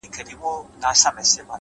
له نننۍ هڅې سبا جوړېږي؛